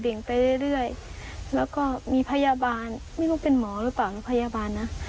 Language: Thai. แล้วก็มีพยาบาลไม่รู้เป็นหมอหรือเปล่ามีพยาบาลนะ